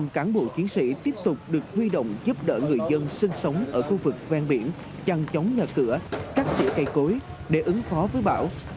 một trăm linh cán bộ chiến sĩ tiếp tục được huy động giúp đỡ người dân sinh sống ở khu vực ven biển trăng chống nhà cửa cắt tỉa cây cối để ứng phó với bão